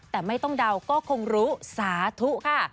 แต่ไม่ต้องเดาก็คงรู้สาธุค่ะ